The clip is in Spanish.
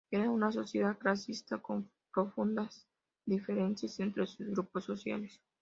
Era una sociedad clasista, con profundas diferencias entre sus grupos sociales.